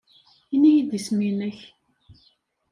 Ini-iyi-d isem-nnek.